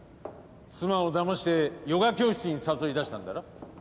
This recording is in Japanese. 妻をだましてヨガ教室に誘い出したんだな。